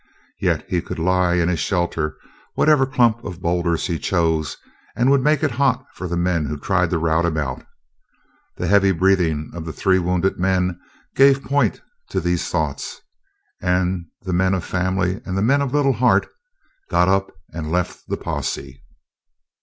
Yet he could lie in his shelter, whatever clump of boulders he chose, and would make it hot for the men who tried to rout him out. The heavy breathing of the three wounded men gave point to these thoughts, and the men of family and the men of little heart got up and left the posse.